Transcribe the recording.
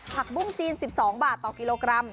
บุ้งจีน๑๒บาทต่อกิโลกรัม